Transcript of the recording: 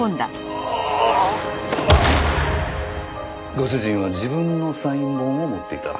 ご主人は自分のサイン本を持っていた。